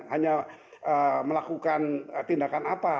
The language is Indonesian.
hanya melakukan tindakan apa